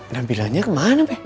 nabilanya kemana pak